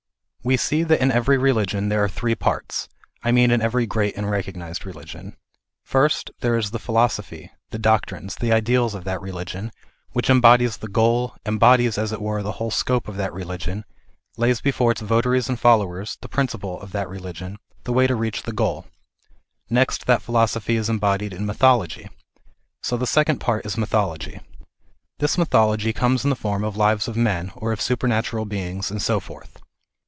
We see that in every religion there are three parts ŌĆö I mean in every great and recognized religion. First there is the philosophy, the doctrines, the ideals of that religion, which embodies the goal, embodies, as it were, the whole scope of that religion, lays before its votaries and followers, the principle of that religion, the way to reach the goal; next that philosophy is embodied in mythology. So the second part is mythology. This mythology comes in the form of lives of men, or of supernatural beings, and so forth.